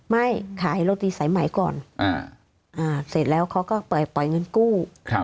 ไม่ขายโรตีสายไหมก่อนเสร็จแล้วเขาก็ปล่อยเงินกู้